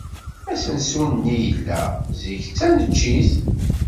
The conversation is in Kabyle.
Asensu-nni yella, zik, d taneččit.